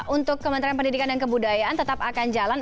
untuk kementerian pendidikan dan kebudayaan tetap akan jalan